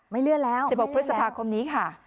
เลื่อนแล้ว๑๖พฤษภาคมนี้ค่ะ